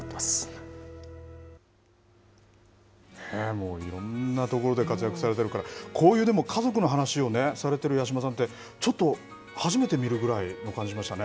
もういろんなところで活躍されてるから、こういうでも、家族の話をされてる八嶋さんって、ちょっと初めて見るぐらいの感じがしましたね。